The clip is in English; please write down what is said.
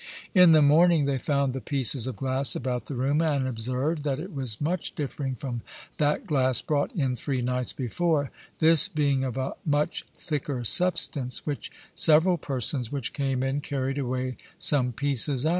In the morning they found the pieces of glass about the room, and observed, that it was much differing from that glasse brought in three nights before, this being of a much thicker substance, which severall persons which came in carried away some pieces of.